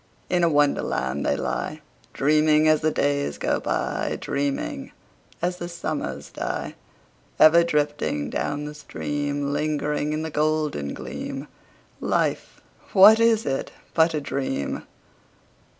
In a Wonderland they lie, Dreaming as the days go by, Dreaming as the summers die: Ever drifting down the stream— Lingering in the golden gleam— Life, what is it but a dream?